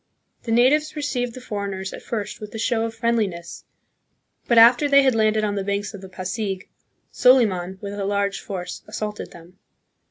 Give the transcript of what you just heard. The natives received the for eigners at first with a show of friendliness, but after they had landed on the banks of the Pasig, Soliman, with a large force, assaulted them.